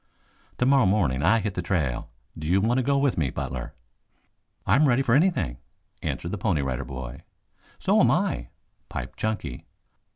"Tomorrow morning I hit the trail. Do you want to go with me, Butler?" "I am ready for anything," answered the Pony Rider Boy. "So am I," piped Chunky.